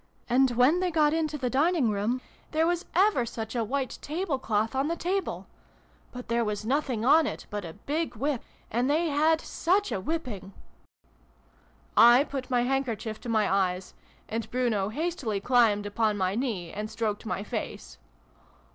And, when they got into the dining room, there was ever such a white table cloth on the table ! But there was nothing on it but a big whip. And they had such a whipping !" (I put my handkerchief to my eyes, and Bruno hastily climbed upon my knee and stroked my face.